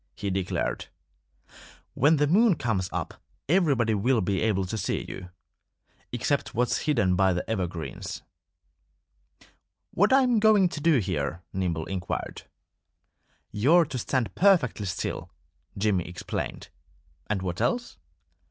he declared. "When the moon comes up everybody will be able to see you except what's hidden by the evergreens." "What am I going to do here?" Nimble inquired. "You're to stand perfectly still," Jimmy explained. "And what else?"